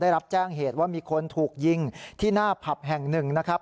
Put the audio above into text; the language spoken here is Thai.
ได้รับแจ้งเหตุว่ามีคนถูกยิงที่หน้าผับแห่งหนึ่งนะครับ